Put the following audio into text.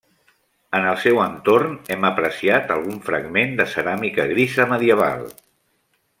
En el seu entorn hem apreciat algun fragment de ceràmica grisa medieval.